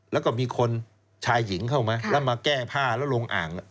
แล้วก็มีคนชายหญิงเข้ามาแล้วมาแก้ผ้าแล้วลงอ่าง